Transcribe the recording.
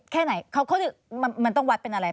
แค่ไหนเขามันต้องวัดเป็นอะไร